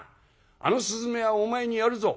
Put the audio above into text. あの雀はお前にやるぞ」。